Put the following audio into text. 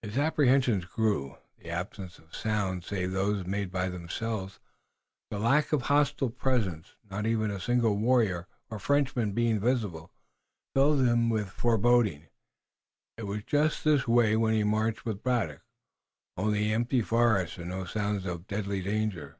His apprehensions grew. The absence of sounds save those made by themselves, the lack of hostile presence, not even a single warrior or Frenchman being visible, filled him with foreboding. It was just this way, when he marched with Braddock, only the empty forest, and no sign of deadly danger.